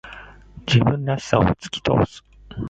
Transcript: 自分らしさを突き通す。